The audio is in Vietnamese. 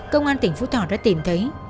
công an tỉnh phú thọ đã tìm thấy